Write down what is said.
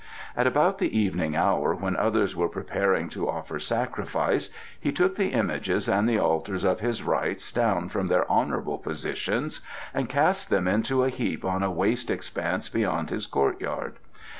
At about the evening hour when others were preparing to offer sacrifice he took the images and the altars of his Rites down from their honourable positions and cast them into a heap on a waste expanse beyond his courtyard.